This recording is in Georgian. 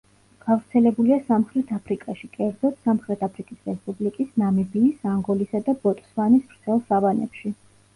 გავრცელებულია სამხრეთ აფრიკაში, კერძოდ: სამხრეთ აფრიკის რესპუბლიკის, ნამიბიის, ანგოლისა და ბოტსვანის ვრცელ სავანებში.